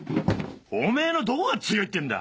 おめぇのどこが強いってんだ！